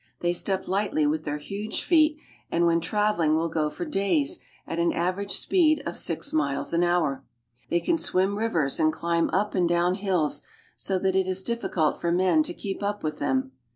They step Hghtly with their huge feet, and Fwhen traveling will go for days at an average speed of six Bmiles an hour. They can swim rivers and climb up and rdown hills, so that it is difficult for men to keep up with them.